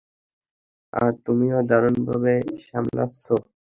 আর তুমিও দারুণভাবে সামলাচ্ছ।